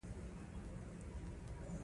خپله ډله یې پرې ایښې، باید ووېشتل شي.